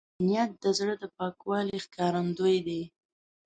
نیت د زړه د پاکوالي ښکارندوی دی.